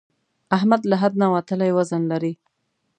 احمد له حد نه وتلی وزن لري.